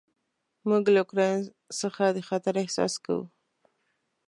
موږ له اوکراین څخه د خطر احساس کوو.